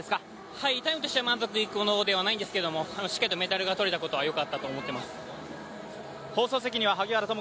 タイムとしては満足いくものではないんですけどしっかりとメダルを取れたことはよかったと思います。